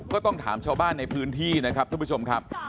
ก็ต้องถามชาวบ้านในพื้นที่นะครับท่านผู้ชมครับ